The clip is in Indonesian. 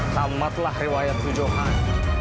selamatlah riwayat tuhu johan